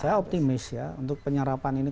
saya optimis ya untuk penyerapan ini